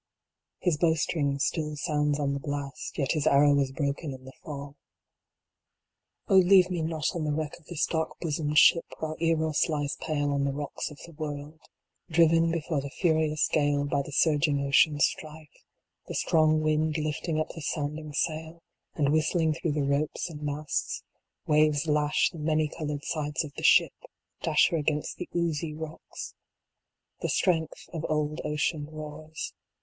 His bowstring still sounds on the blast, yet his arrow was broken in the fall. Oh leave me not on the wreck of this dark bosomed ship while Eros lies pale on the rocks of the world. Driven before the furious gale by the surging ocean s strife; The strong wind lifting up the sounding sail, and whist ling through the ropes and masts; waves lash the many colored sides of the ship, dash her against the oozy rocks. The strength of old ocean roars.